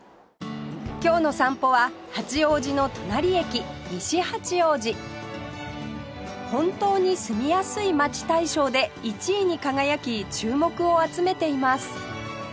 今日の散歩は八王子の隣駅西八王子本当に住みやすい街大賞で１位に輝き注目を集めています